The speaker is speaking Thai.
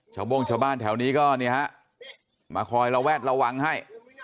โบ้งชาวบ้านแถวนี้ก็มาคอยระแวดระวังให้